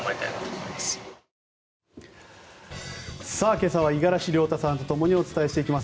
今朝は五十嵐亮太さんと共にお伝えしていきます。